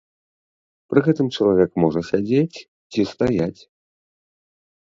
Пры гэтым чалавек можа сядзець ці стаяць.